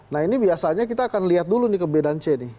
nah ini biasanya kita akan lihat dulu nih ke b dan c nih